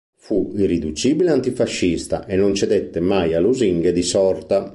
Fu irriducibile antifascista e non cedette mai a lusinghe di sorta.